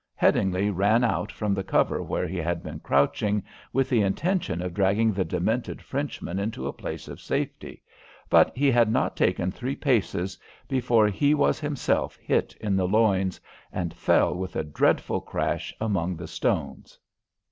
Headingly ran out from the cover where he had been crouching, with the intention of dragging the demented Frenchman into a place of safety, but he had not taken three paces before he was himself hit in the loins, and fell with a dreadful crash among the stones.